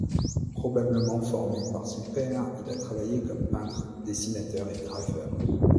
Probablement formé par son père, il a travaillé comme peintre, dessinateur et graveur.